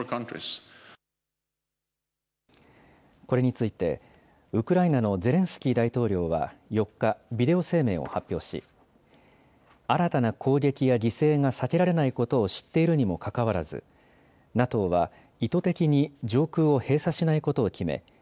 これについてウクライナのゼレンスキー大統領は４日、ビデオ声明を発表し、新たな攻撃や犠牲が避けられないことを知っているにもかかわらず、ＮＡＴＯは意図的に上空を閉鎖しないことを決め